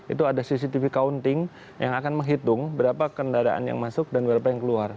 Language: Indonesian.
itu ada cctv counting yang akan menghitung berapa kendaraan yang masuk dan berapa yang keluar